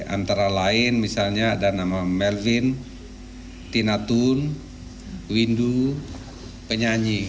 antara lain misalnya ada nama melvin tinatun windu penyanyi